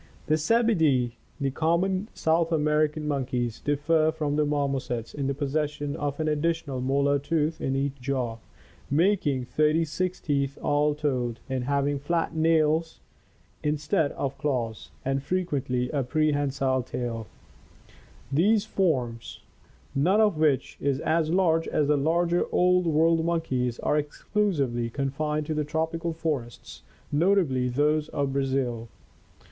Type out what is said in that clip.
The Cetnda, the common South American monkeys, differ from the marmosets in the possession of an additional molar tooth in each jaw, making thirty sis teeth all told, in having flat nails in stead of claws, and frequently a prehensile tail. These forms, 646 ORGANIC EVOLUTION none of which is as large as the larger Old World monkeys, are ex clusively confined to the tropical forests, notably those of Brazil.